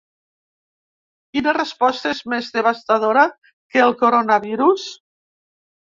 Quina resposta és més devastadora que el coronavirus?